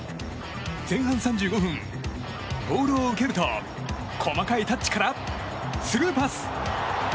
前半３５分、ボールを受けると細かいタッチからスルーパス。